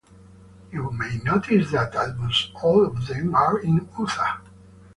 You may notice that almost all of them are in Utah.